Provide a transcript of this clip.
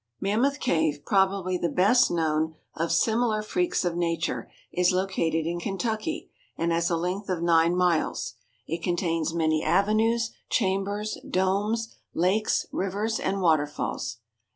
= Mammoth Cave, probably the best known of similar freaks of Nature, is located in Kentucky, and has a length of nine miles. It contains many avenues, chambers, domes, lakes, rivers, and waterfalls.